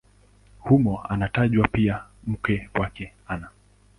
Humo anatajwa pia mke wake Ana.